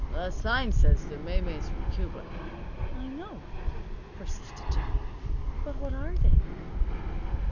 That sign says they're maymeys from Cuba." "I know," persisted Jennie, "but what are they?"